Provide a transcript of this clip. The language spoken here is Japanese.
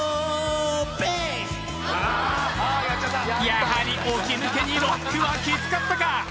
やはり起き抜けにロックはきつかったか？